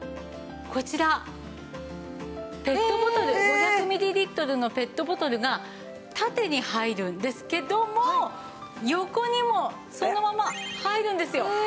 こちらペットボトル５００ミリリットルのペットボトルが縦に入るんですけども横にもそのまま入るんですよ。